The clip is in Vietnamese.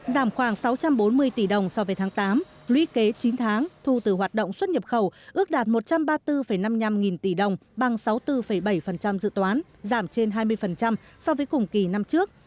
giảm khoảng sáu trăm bốn mươi tỷ đồng so với tháng tám luy kế chín tháng thu từ hoạt động xuất nhập khẩu ước đạt một trăm ba mươi bốn năm mươi năm nghìn tỷ đồng bằng sáu mươi bốn bảy dự toán giảm trên hai mươi so với cùng kỳ năm trước